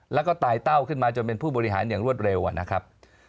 แล้วก็ตายเต้าขึ้นมาจนเป็นผู้บริหารอย่างรวดเร็วนะครับ